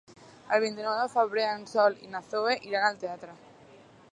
El vint-i-nou de febrer en Sol i na Zoè iran al teatre.